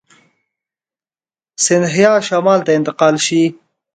سیندهیا شمال ته انتقال شي.